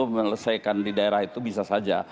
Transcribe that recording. menyelesaikan di daerah itu bisa saja